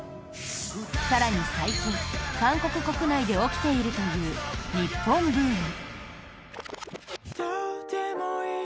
更に、最近、韓国国内で起きているという日本ブーム。